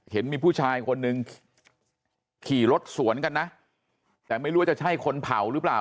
เห็นมีผู้ชายคนหนึ่งขี่รถสวนกันนะแต่ไม่รู้ว่าจะใช่คนเผาหรือเปล่า